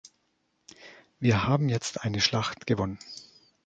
Wir haben jetzt eine Schlacht gewonnen.